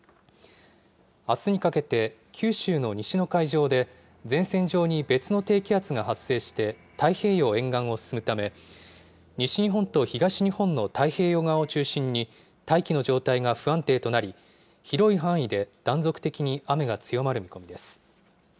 あすにかけて九州の西の海上で前線上に別の低気圧が発生して太平洋沿岸を進むため、西日本と東日本の太平洋側を中心に、大気の状態が不安定となり、広い範囲で断続的に雨が強まる見込みです。